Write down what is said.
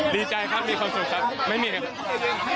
ดีใจครับมีความสุขครับไม่มีเหตุการณ์